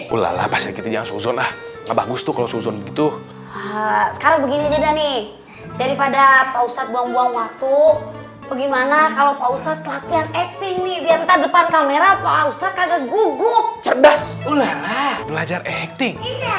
usah latihan acting nih diantar depan kamera pak ustadz agak gugup cerdas ular belajar acting